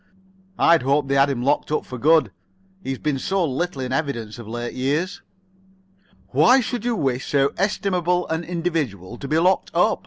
"I'd hoped they had him locked up for good, he's been so little in evidence of late years." "Why should you wish so estimable an individual to be locked up?"